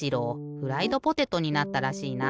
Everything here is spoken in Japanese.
フライドポテトになったらしいな。